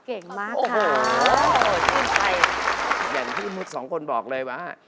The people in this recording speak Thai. เก่งมากค่ะโอ้โหที่อื่นไทยอย่างที่อุ้นมุษย์สองคนบอกเลยว่า